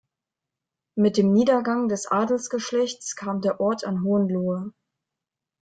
Mit dem Niedergang des Adelsgeschlechts kam der Ort an Hohenlohe.